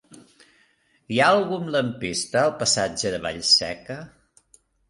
Hi ha algun lampista al passatge de Vallseca?